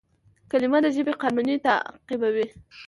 کلیمه د ژبي قانون تعقیبوي.